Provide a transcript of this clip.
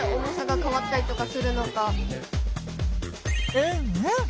うんうん！